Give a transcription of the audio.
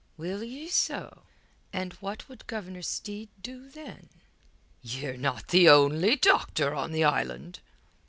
"Will ye so? And what would Governor Steed do, then?" "Ye're not the only doctor on the island."